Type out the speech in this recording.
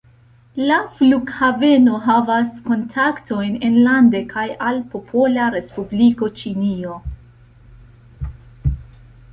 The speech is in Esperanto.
La flughaveno havas kontaktojn enlande kaj al Popola Respubliko Ĉinio.